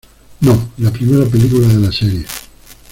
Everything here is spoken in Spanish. No, la primera película de la serie.